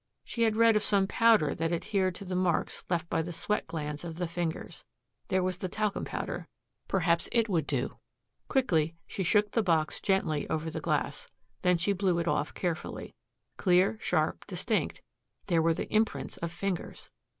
She had read of some powder that adhered to the marks left by the sweat glands of the fingers. There was the talcum powder. Perhaps it would do. Quickly she shook the box gently over the glass. Then she blew it off carefully. Clear, sharp, distinct, there were the imprints of fingers!